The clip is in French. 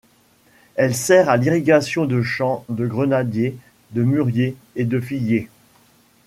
Elle sert à l'irrigation de champs de grenadiers, de mûriers et de figuiers.